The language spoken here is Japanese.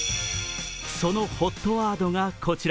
そのＨＯＴワードがこちら